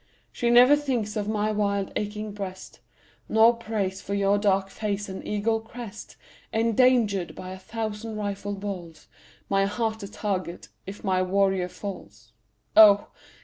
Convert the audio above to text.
She never thinks of my wild aching breast, Nor prays for your dark face and eagle crest Endangered by a thousand rifle balls, My heart the target if my warrior falls. O!